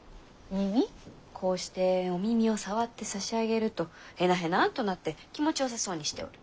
こうしてお耳を触って差し上げるとへなへなっとなって気持ちよさそうにしておる。